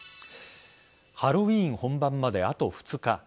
ハロウィーン本番まであと２日。